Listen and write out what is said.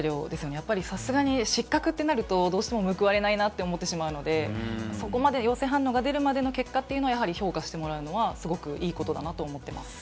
やっぱりさすがに、失格ってなると、どうしても報われないなって思ってしまうので、そこまで陽性反応が出るまでの結果というのは、評価してもらうのは、すごくいいことだなと思ってます。